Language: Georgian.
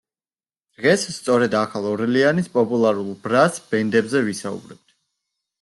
დღეს სწორედ ახალ ორლეანის პოპულარულ ბრას ბენდებზე ვისაუბრებთ.